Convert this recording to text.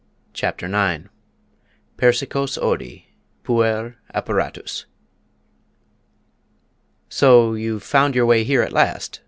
CHAPTER IX "PERSICOS ODI, PUER, APPARATUS" "So you've found your way here at last?"